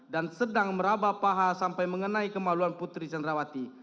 dan sedang merabah paha sampai mengenai kemaluan putri candrawati